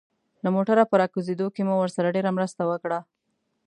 له موټره په راکوزېدو کې مو ورسره ډېره مرسته وکړه.